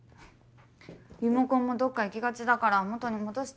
リモコンもどっか行きがちだから元に戻してね。